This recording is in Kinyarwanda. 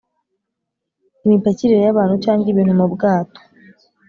imipakirire y’abantu cyangwa ibintu mu bwato